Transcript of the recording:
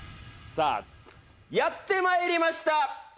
さあやって参りました！